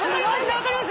分かります？